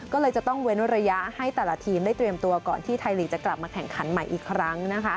ก็เลยจะต้องเว้นระยะให้แต่ละทีมได้เตรียมตัวก่อนที่ไทยลีกจะกลับมาแข่งขันใหม่อีกครั้งนะคะ